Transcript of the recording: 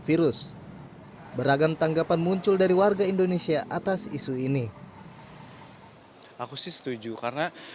virus beragam tanggapan muncul dari warga indonesia atas isu ini aku sih setuju karena